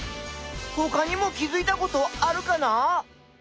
ほかにも気づいたことあるかな？